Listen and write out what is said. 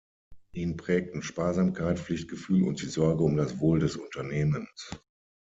Ihn prägten Sparsamkeit, Pflichtgefühl und die Sorge um das Wohl des Unternehmens.